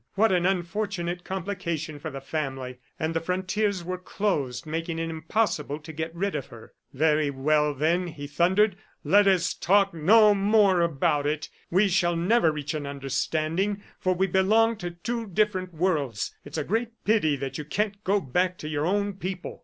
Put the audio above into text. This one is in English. What an unfortunate complication for the family! ... and the frontiers were closed, making it impossible to get rid of her! "Very well, then," he thundered. "Let us talk no more about it. We shall never reach an understanding, for we belong to two different worlds. It's a great pity that you can't go back to your own people."